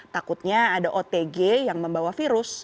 takutnya ada otg yang membawa virus